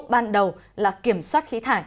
ban đầu là kiểm soát khí thải